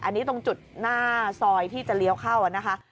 อันนี้ตรงจุดหน้าซอยที่จะเลี้ยวเข้านะคะ